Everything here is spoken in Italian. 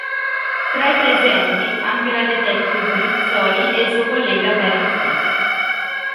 Tra i presenti anche la detective Rizzoli e il suo collega Barry Frost.